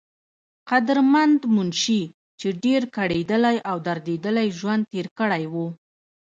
قدرمند منشي، چې ډېر کړېدلے او درديدلے ژوند تير کړے وو